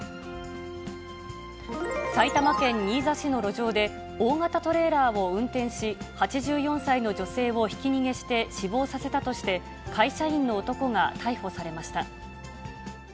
埼玉県新座市の路上で、大型トレーラーを運転し、８４歳の女性をひき逃げして死亡させたとして、会社員の男が逮捕されました。